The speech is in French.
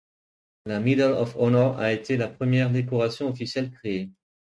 La Medal of Honor a été la première décoration officielle créée.